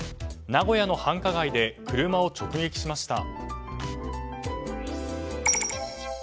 名古屋の繁華街で車を直撃しました。